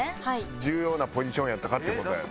重要なポジションやったかって事やな。